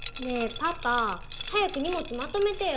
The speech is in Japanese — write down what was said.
パパ早く荷物まとめてよ